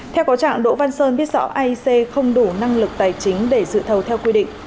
theo có trạng đỗ văn sơn biết rõ aic không đủ năng lực tài chính để dự thầu theo quy định